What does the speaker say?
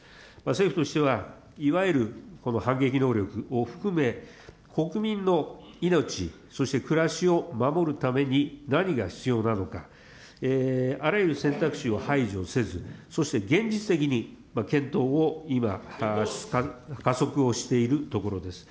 政府としては、いわゆるこの反撃能力を含め、国民の命、そして暮らしを守るために何が必要なのか、あらゆる選択肢を排除せず、そして現実的に検討を今、加速をしているところです。